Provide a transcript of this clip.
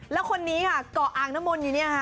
และคนนี้ก่ออ่างนมลอยู่นี่ค่ะ